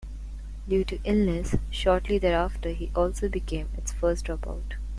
Due to illness shortly thereafter, he also became its first dropout.